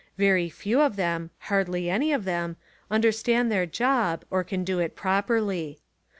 Very few of them — hardly any of them — understand their job or can do It properly.